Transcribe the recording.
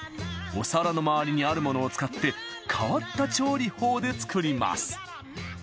お皿の周りにあるものを使って変わった調理法で作ります